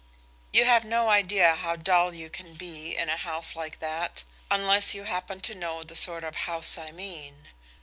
You have no idea how dull you can be in a house like that, unless you happen to know the sort of house I mean.